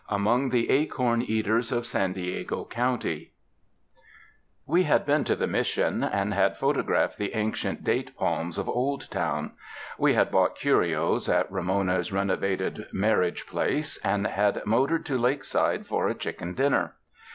Among the Acorn Eaters of San Diego County We had been to the Mission and had photographed the ancient date palms at Old Town ; we had bought curios at Ramona's renovated marriage place, and had motored to Lakeside for a chicken dinner.